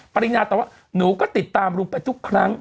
ปรินาตอบว่าหนูก็ติดตามลุงไปทุกครั้ง